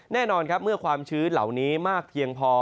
แน่นอนครับเมื่อความชื้นเหล่านี้มากเพียงพอ